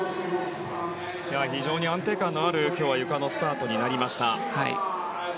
非常に安定感のあるゆかのスタートになりました。